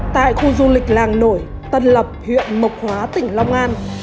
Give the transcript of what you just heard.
tại khu du lịch làng nổi tân lập huyện mộc hóa tỉnh long an